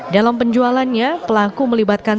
dalam penjualannya pelaku melibatkan